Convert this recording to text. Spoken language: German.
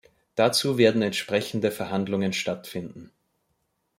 Dazu werden entsprechende Verhandlungen stattfinden.